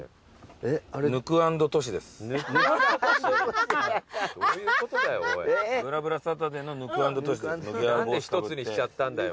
何で一つにしちゃったんだよ。